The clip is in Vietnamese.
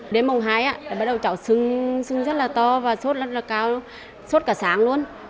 đến mùng hai bắt đầu cháu sưng rất là to và suốt rất là cao suốt cả sáng luôn